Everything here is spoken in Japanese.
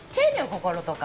心とか。